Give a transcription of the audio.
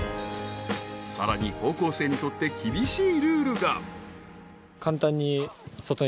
［さらに高校生にとって厳しいルールが］